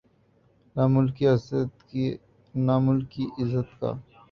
نہ ملک کی عزت کا۔